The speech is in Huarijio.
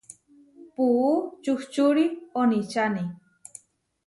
Puú čuhčúri oničáni.